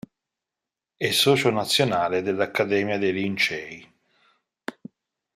È socio nazionale dell’Accademia dei Lincei.